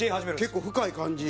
結構深い感じ。